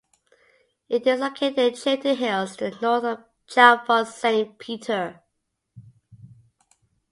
It is located in the Chiltern Hills, to the north of Chalfont Saint Peter.